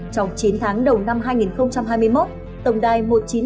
trong chín tháng đầu năm hai nghìn hai mươi một tổng đài một nghìn chín trăm linh